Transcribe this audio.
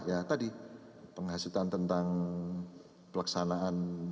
ya tadi penghasutan tentang pelaksanaan